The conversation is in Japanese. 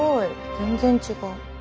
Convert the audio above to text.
全然違う。